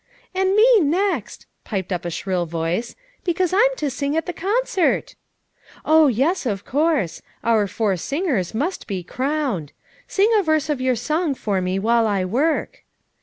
"And me next," piped up a shrill voice, "be cause I'm to sing at the concert." "Oh, yes, 6f course. Our four singers must be crowned. Sing a verse of your song for me while I work."